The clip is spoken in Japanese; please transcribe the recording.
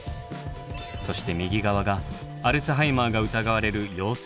そして右側がアルツハイマーが疑われる陽性の画像。